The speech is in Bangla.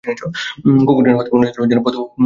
কুকুরছানা হাতে মনে হচ্ছিল যেন ও পথ হারিয়ে ফেলেছে।